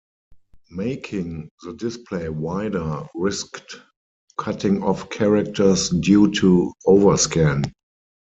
Making the display wider risked cutting off characters due to overscan.